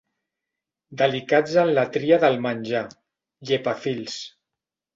Delicats en la tria del menjar, llepafils.